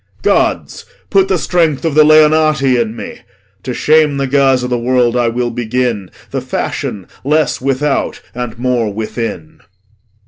Gods, put the strength o' th' Leonati in me! To shame the guise o' th' world, I will begin The fashion less without and more within.